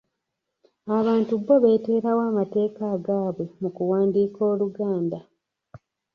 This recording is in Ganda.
Abantu bo beeteerawo amateeka agaabwe mu kuwandiika Oluganda.